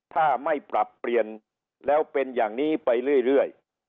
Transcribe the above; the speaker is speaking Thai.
ถ้าไม่ปรับเปลี่ยนแล้วเป็นอย่างนี้ไปเรื่อย